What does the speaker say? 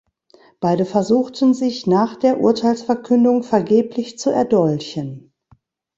Beide versuchten sich nach der Urteilsverkündung vergeblich zu erdolchen.